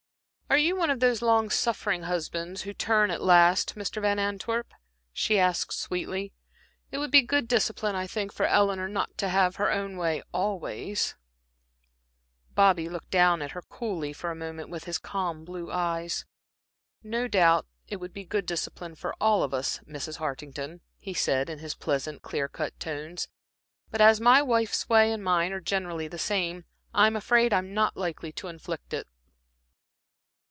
"Are you one of those long suffering husbands who turn at last, Mr. Van Antwerp?" she asked, sweetly. "It would be good discipline, I think, for Eleanor not to have her own way always." Bobby looked down at her coolly for a moment with his calm blue eyes. "No doubt, it would be good discipline for all of us, Mrs. Hartington," he said, in his pleasant, clear cut tones, "but as my wife's way and mine are generally the same, I'm afraid I'm not likely to inflict it."